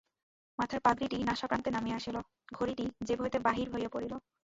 মাথার পাগড়িটি নাসাপ্রান্তে নামিয়া আসিল, ঘড়িটি জেব হইতে বাহির হইয়া পড়িল।